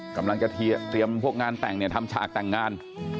กำลังจะเตรียมพวกงานแต่งเนี่ยทำฉากแต่งงาน